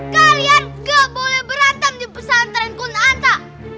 kalian gak boleh berantem di pesantren kunanta